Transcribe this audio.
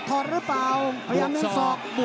ตามต่อยกที่๓ครับ